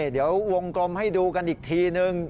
เดี๋ยววงกลมให้ดูกันอีกทีนึง